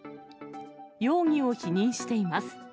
容疑を否認しています。